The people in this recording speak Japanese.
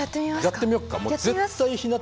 やってみよっか。